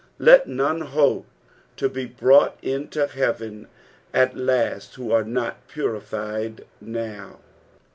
Let none hope to bo brought iuto " heaven at last who are not puriQed now.